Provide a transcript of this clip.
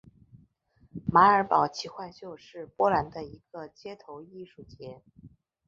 马尔堡奇幻秀是波兰的一个街头艺术节。